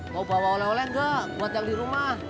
mau bawa oleh oleh enggak buat yang di rumah